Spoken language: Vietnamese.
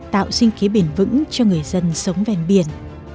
tạo sinh kế bền vững cho người dân sống ven biển